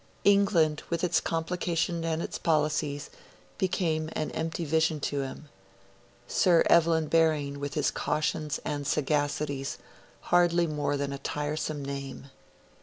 England, with its complications and its policies, became an empty vision to him; Sir Evelyn Baring, with his cautions and sagacities, hardly more than a tiresome name.